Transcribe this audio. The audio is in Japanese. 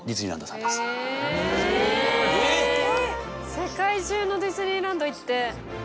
世界中のディズニーランド行って。